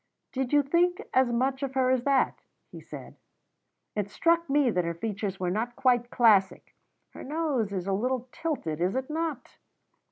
"Did you think as much of her as that?" he said. "It struck me that her features were not quite classic. Her nose is a little tilted, is it not?"